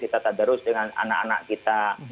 kita tata terus dengan anak anak kita